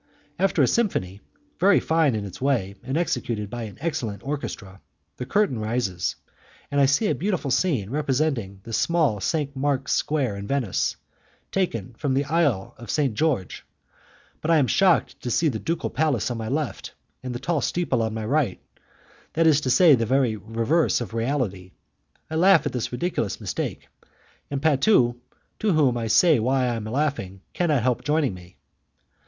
After a symphony, very fine in its way and executed by an excellent orchestra, the curtain rises, and I see a beautiful scene representing the small St. Mark's Square in Venice, taken from the Island of St. George, but I am shocked to see the ducal palace on my left, and the tall steeple on my right, that is to say the very reverse of reality. I laugh at this ridiculous mistake, and Patu, to whom I say why I am laughing, cannot help joining me.